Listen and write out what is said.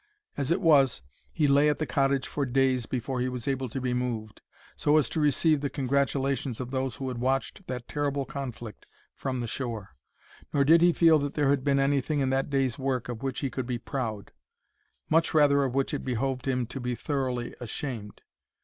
As it was, he lay at the cottage for days before he was able to be moved, so as to receive the congratulations of those who had watched that terrible conflict from the shore. Nor did he feel that there had been anything in that day's work of which he could be proud;—much rather of which it behoved him to be thoroughly ashamed.